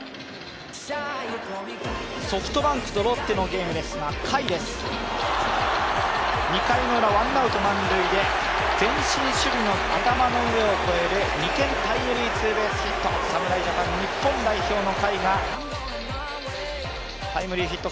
ソフトバンクとロッテのゲームですが、甲斐です、２回ウラワンアウト満塁で前進守備の頭の上を越える２点タイムリーツーベースヒット侍ジャパン日本代表の甲斐がタイムリーヒット。